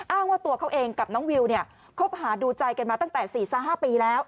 อ้างว่าตัวเขาเองกับน้องวิวเนี่ยคบหาดูใจกันมาตั้งแต่๔๕ปีแล้ว